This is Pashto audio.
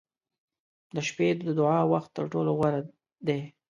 • د شپې د دعا وخت تر ټولو غوره دی.